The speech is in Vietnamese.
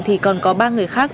thì còn có ba người khác